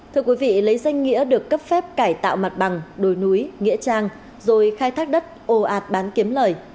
thưa quý vị lấy danh nghĩa được cấp phép cải tạo mặt bằng đồi núi nghĩa trang rồi khai thác đất ồ ạt bán kiếm lời